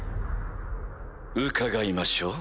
伺いましょう。